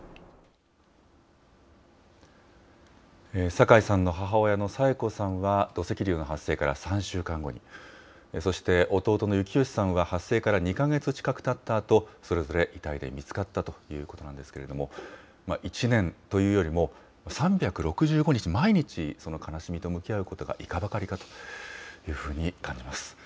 酒井さんの母親の佐江子さんは、土石流の発生から３週間後に、そして弟の幸義さんは発生から２か月近くたったあと、それぞれ遺体で見つかったということなんですけれども、１年というよりも、３６５日、毎日、その悲しみと向き合うことがいかばかりというふうに感じます。